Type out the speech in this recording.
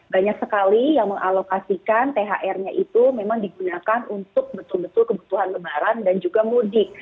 banyak sekali yang mengalokasikan thr nya itu memang digunakan untuk betul betul kebutuhan lebaran dan juga mudik